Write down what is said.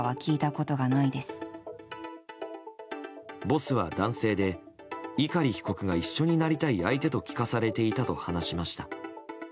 ボスは男性で碇被告が一緒になりたい相手と聞かされていたと話しました。